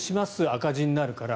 赤字になるから。